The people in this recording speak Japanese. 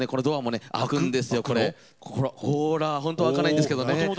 ほら本当は開かないんですけどね